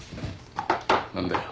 何だよ。